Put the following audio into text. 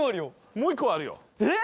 もう１個あるよえっ？